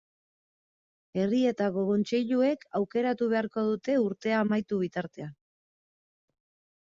Herrietako kontseiluek aukeratu beharko dute urtea amaitu bitartean.